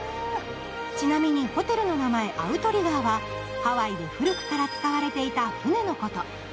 ちなみに、ホテルの名前、アウトリガーはハワイで古くから使われていた船のこと。